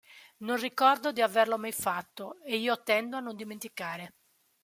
Non ricordo di averlo mai fatto, e io tendo a non dimenticare".